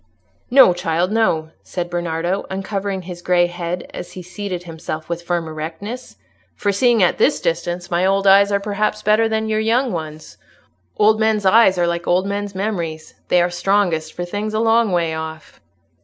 "No, child, no," said Bernardo, uncovering his grey head, as he seated himself with firm erectness. "For seeing at this distance, my old eyes are perhaps better than your young ones. Old men's eyes are like old men's memories; they are strongest for things a long way off."